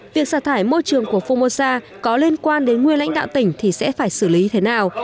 việc sạc thải môi trường của phu mô sa có liên quan đến nguyên lãnh đạo tỉnh thì sẽ phải xử lý thế nào